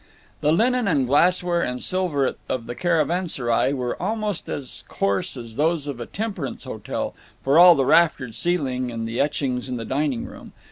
The linen and glassware and silver of the Caravanserai were almost as coarse as those of a temperance hotel, for all the raftered ceiling and the etchings in the dining room.